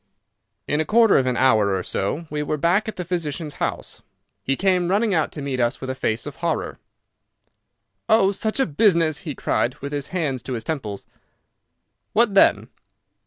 In a quarter of an hour or so we were back at the physician's house. He came running out to meet us with a face of horror. "Oh, such a business!" he cried, with his hands to his temples. "What then?"